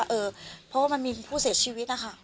เพราะว่ามันมีผู้เสียชีวิตนะคะ